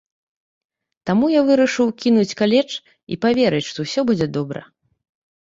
Таму я вырашыў кінуць каледж і паверыць, што ўсё будзе добра.